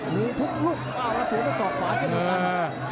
มีทุกลุ่มข้าวระสุนก็สอบขวาที่มุมตัน